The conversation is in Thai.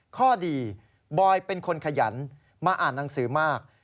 ข้อดีบอยเป็นคนขยันมาอ่านหนังสือมาก